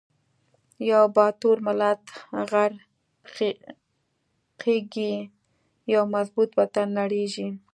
یو باتور ملت غر قیږی، یو مضبوط وطن نړیږی